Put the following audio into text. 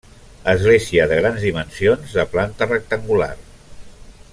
Església de grans dimensions de planta rectangular.